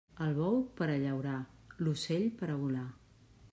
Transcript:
El bou per a llaurar, l'ocell per a volar.